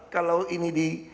kalau ini di